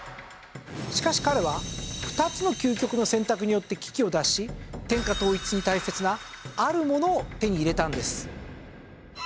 しかし彼は２つの究極の選択によって危機を脱し天下統一に大切なあるものを手に入れたんです。